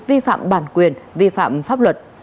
vi phạm bản quyền vi phạm pháp luật